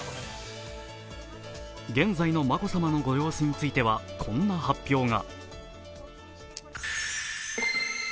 現在の眞子さまのご様子についてはこんな発表が。